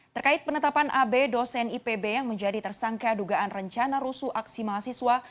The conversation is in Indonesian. terkait penetapan ab dosen ipb yang menjadi tersangka dugaan rencana rusuh aksi mahasiswa